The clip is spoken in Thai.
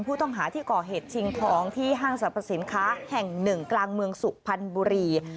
ผู้ต้องหาที่ก่อเหตุชิงทองที่ห้างสรรพสินค้าแห่งหนึ่งกลางเมืองสุพรรณบุรี